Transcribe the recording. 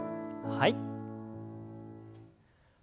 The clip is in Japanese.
はい。